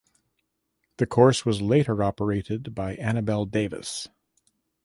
The course was later operated by Annabelle Davis.